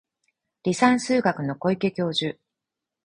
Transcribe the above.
離散数学の小池教授